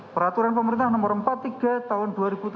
peraturan pemerintah nomor empat puluh tiga tahun dua ribu tujuh belas